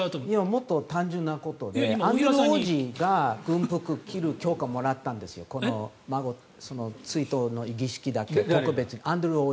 もっと単純なことでアンドリュー王子が軍服を着る許可をもらったんですこの追悼の儀式だけ特別に。